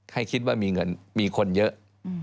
ให้คิดว่ามีเงินมีคนเยอะ